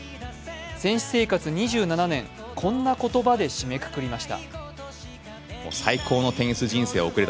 選手生活２７年、こんな言葉で締めくくりました。